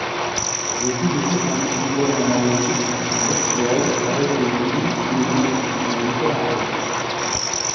Beaucoup de ces synthétiseurs analogiques sont virtuels avec des modules simulant des fonctionnalités hard.